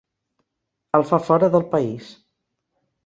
El fa fora del país.